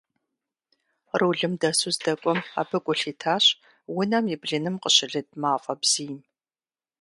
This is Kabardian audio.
Рулым дэсу здэкӀуэм абы гу лъитащ унэм и блыным къыщылыд мафӀэ бзийм.